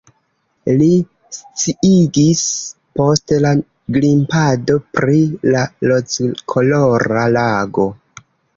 Li sciigis post la grimpado pri la rozkolora lago.